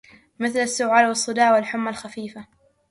مثل السعال والصداع والحمى الخفيفة